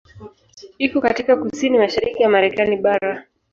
Iko katika kusini-mashariki ya Marekani bara.